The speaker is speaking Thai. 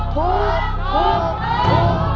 ถูก